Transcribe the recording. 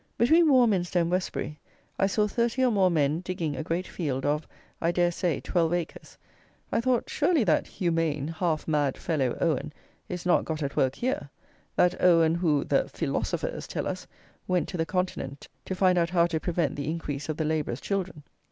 Between Warminster and Westbury I saw thirty or more men digging a great field of I dare say twelve acres. I thought, "surely that 'humane,' half mad fellow, Owen, is not got at work here; that Owen who, the feelosofers tell us, went to the Continent to find out how to prevent the increase of the labourers' children."